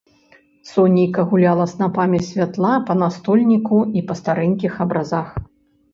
Сонейка гуляла снапамі святла па настольніку і па старэнькіх абразах.